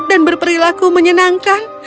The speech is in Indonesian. dan berperilaku menyenangkan